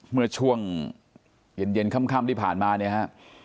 เมื่อช่วงเย็นค่ำที่ผ่านมาเนี่ยฮะ